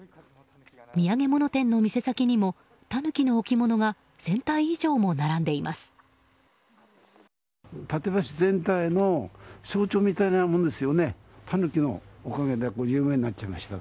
土産物店の店先にもタヌキの置き物が１０００体以上も並んでいます。